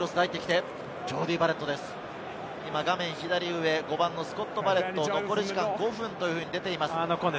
画面左上、５番のスコット・バレット、残り時間５分と出ています。